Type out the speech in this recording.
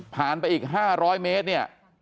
ไปอีก๕๐๐เมตรเนี่ย